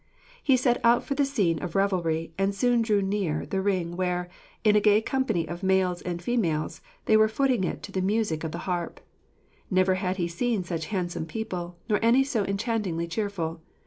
He set out for the scene of revelry, and soon drew near the ring where, in a gay company of males and females, they were footing it to the music of the harp. Never had he seen such handsome people, nor any so enchantingly cheerful.